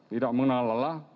tidak mengenal lelah